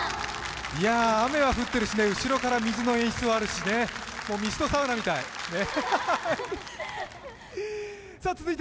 いや、雨は降ってるし、後ろから水の演出はあるしね、ミストサウナみたい。